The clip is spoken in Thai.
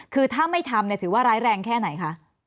คือถ้าไม่ทำถือว่าร้ายแรงแค่ไหนคะ